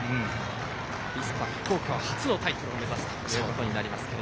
アビスパ福岡は初のタイトルを目指すことになりますが。